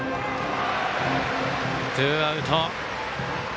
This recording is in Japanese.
ツーアウト。